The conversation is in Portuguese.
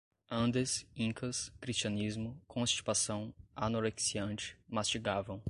Andes, Incas, cristianismo, constipação, anorexiante, mastigavam